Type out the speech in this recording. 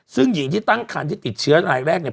ซึ่งหญิงที่ตั้งคันที่ติดเชื้อรายแรกเนี่ย